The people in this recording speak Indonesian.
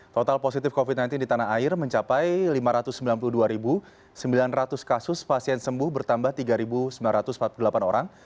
total positif covid sembilan belas di tanah air mencapai lima ratus sembilan puluh dua sembilan ratus kasus pasien sembuh bertambah tiga sembilan ratus empat puluh delapan orang